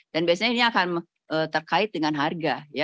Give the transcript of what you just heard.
dan biasanya ini akan terkait dengan harga